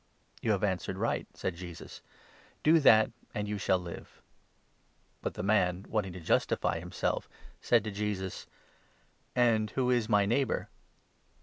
"" You have answered right," said Jesus ;" do that, and you 28 shall live." But the man, wanting to justify himself, said to Jesus :" And 29 who is my neighbour